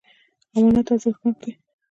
امانت ارزښتناک دی.